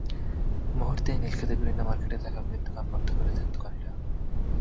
মুহূর্তেই নীলক্ষেতে বিভিন্ন মার্কেটে থাকা বইয়ের দোকান বন্ধ করে দেন দোকানিরা।